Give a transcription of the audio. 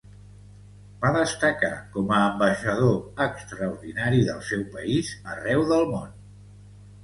Va destacar com a ambaixador extraordinari del seu país arreu del món.